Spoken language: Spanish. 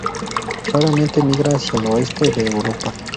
Raramente migra hacia el oeste de Europa.